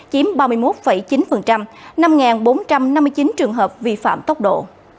chiếm ba mươi một chín năm bốn trăm năm mươi chín trường hợp vi phạm tốc độ